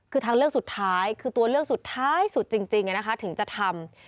คือทางเลือกสุดท้ายคือตัวเลือกสุดท้ายสุดจริงถึงจะทำ